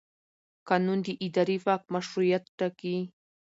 قانون د اداري واک مشروعیت ټاکي.